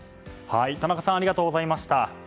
田中さんありがとうございました。